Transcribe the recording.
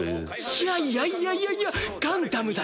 いやいやいやいやいやガンダムだよ？